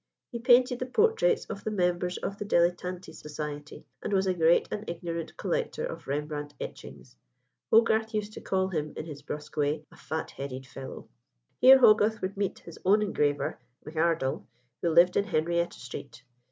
He painted the portraits of the members of the Dilettanti Society, and was a great and ignorant collector of Rembrandt etchings. Hogarth used to call him, in his brusque way, "a fat headed fellow." Here Hogarth would meet his own engraver, M'Ardell, who lived in Henrietta Street.